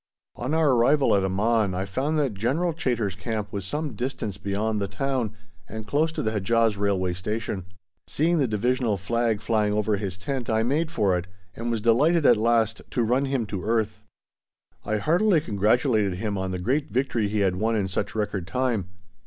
On our arrival at Amman I found that General Chaytor's camp was some distance beyond the town and close to the Hedjaz Railway Station. Seeing the divisional flag flying over his tent, I made for it, and was delighted at last to run him to earth. I heartily congratulated him on the great victory he had won in such record time.